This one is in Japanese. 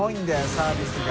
サービスが。